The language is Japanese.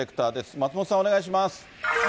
松本さん、お願いします。